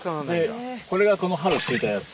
これがこの春接いだやつ。